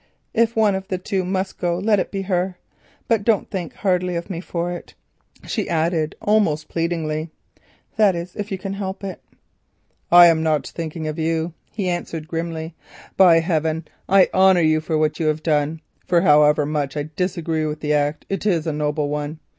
If one of the two must go, let it be the woman. But don't think hardly of me for it," she added almost pleadingly, "that is if you can help it." "I am not thinking of you," he answered grimly; "by heaven I honour you for what you have done, for however much I may disagree with the act, it is a noble one.